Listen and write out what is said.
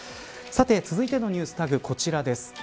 続いてのＮｅｗｓＴａｇはこちらです。